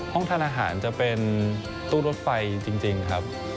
ทานอาหารจะเป็นตู้รถไฟจริงครับ